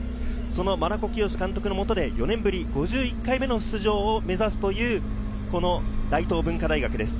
その真名子圭監督の下で４年ぶり５１回目の出場を目指すという大東文化大学です。